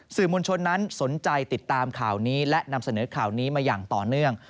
สื่อมวลชนนั้นสนใจติดตามข่าวนี้และนำเสนอข่าวนี้มาอย่างต่อเนื่อง